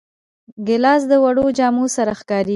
ګیلاس د وړو جامو سره ښکارېږي.